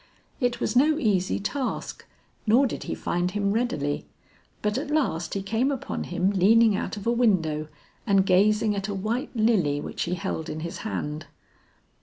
It was no easy task, nor did he find him readily, but at last he came upon him leaning out of a window and gazing at a white lily which he held in his hand.